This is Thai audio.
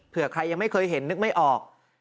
ใครยังไม่เคยเห็นนึกไม่ออก